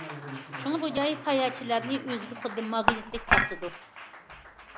شۇڭا بۇ جاي ساياھەتچىلەرنى ئۆزىگە خۇددى ماگنىتتەك تارتىدۇ.